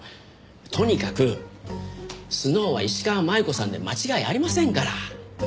とにかくスノウは石川真悠子さんで間違いありませんから。